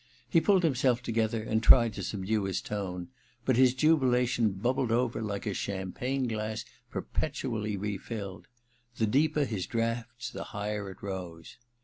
He pulled himself together and tried to subdue his tone ; but his jubilation bubbled oyer like a champagne glass perpetually refilled. The deeper his draughts the higher it rose.